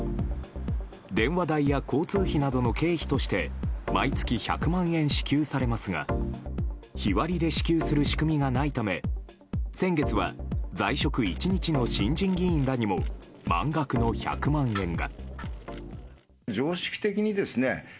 電話代や交通費などの経費として毎月１００万円支給されますが日割りで支給する仕組みがないため先月は在職１日の新人議員らにも満額の１００万円が。